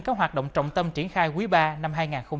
các hoạt động trọng tâm triển khai quý ba năm hai nghìn hai mươi